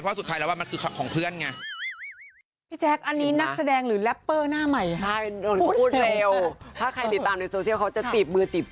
เพราะสุดท้ายแล้วว่ามันคือของเพื่อนไง